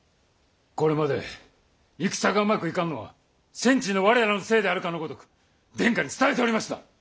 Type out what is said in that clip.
これまで戦がうまくいかんのは戦地の我らのせいであるかのごとく殿下に伝えておりました！